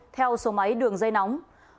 theo số máy đường dây nóng